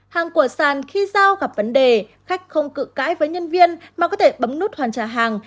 hàng của sàn khi giao gặp vấn đề khách không cự cãi với nhân viên mà có thể bấm nút hoàn trả hàng